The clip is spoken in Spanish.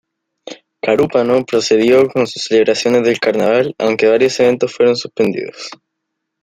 Carúpano procedió con sus celebraciones del carnaval aunque varios eventos fueron suspendidos.